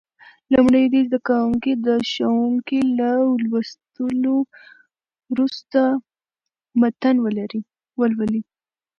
لومړی دې زده کوونکي د ښوونکي له لوستلو وروسته متن ولولي.